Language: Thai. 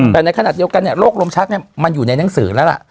แต่ในขณะเดียวกันเนี่ยโรคลมชักมันอยู่ในหนังสือแล้วล่ะ